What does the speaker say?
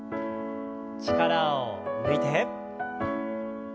力を抜いて。